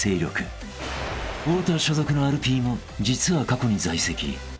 ［太田所属のアルピーも実は過去に在籍］